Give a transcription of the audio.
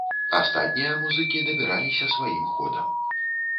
Астатнія музыкі дабіраліся сваім ходам.